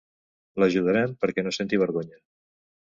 L'ajudarem perquè no senti vergonya.